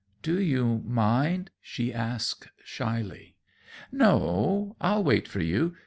"Do you mind?" she asked shyly. "No. I'll wait for you.